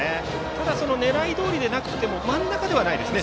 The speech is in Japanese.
ただ狙いどおりでなくても真ん中ではないですね。